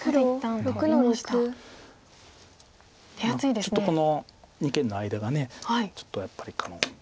ちょっとこの二間の間がちょっとやっぱり。